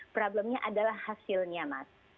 problemnya adalah hasilnya mat